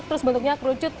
terus bentuknya kerucut